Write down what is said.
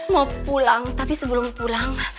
mau pulang tapi sebelum pulang